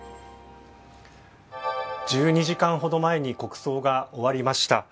１２時間ほど前に国葬が終わりました。